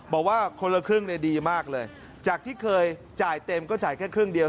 บอกว่าคนละครึ่งเนี่ยดีมากเลยจากที่เคยจ่ายเต็มก็จ่ายแค่ครึ่งเดียว